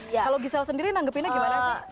kalo gisel sendiri nanggepinnya gimana sih